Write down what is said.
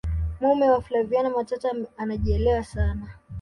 mume wa flaviana matata anaejielewa sana